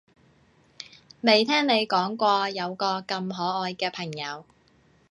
未聽你講過有個咁可愛嘅朋友